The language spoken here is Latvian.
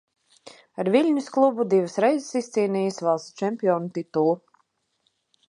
Ar Viļņas klubu divas reizes izcīnījis valsts čempionu titulu.